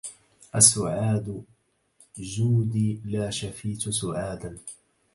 أسعاد جودي لا شفيت سعادا